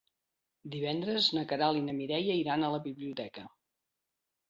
Divendres na Queralt i na Mireia iran a la biblioteca.